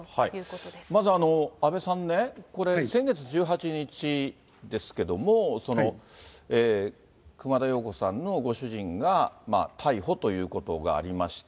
まず阿部さんね、これ、先月１８日ですけども、熊田曜子さんのご主人が逮捕ということがありました。